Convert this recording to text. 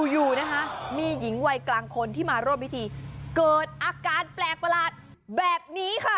อยู่นะคะมีหญิงวัยกลางคนที่มาร่วมพิธีเกิดอาการแปลกประหลาดแบบนี้ค่ะ